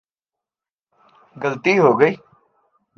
اسے پہلا فتنہ بھی کہا جاتا ہے